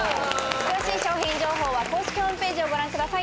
詳しい商品情報は公式ホームページをご覧ください。